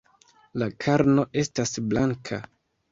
La karno estas blanka.